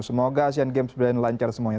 semoga asian games berlian lancar semuanya